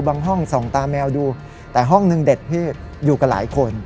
ห้องส่องตาแมวดูแต่ห้องนึงเด็ดพี่อยู่กับหลายคน